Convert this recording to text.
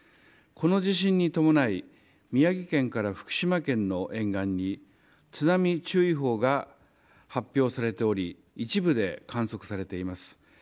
この地震に伴い宮城県から福島県の沿岸に津波注意報が発表されており一部で観測されています。